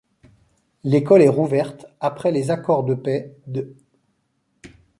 L'école est rouverte après les accords de paix d'.